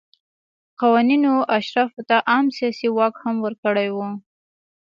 قوانینو اشرافو ته عام سیاسي واک هم ورکړی و.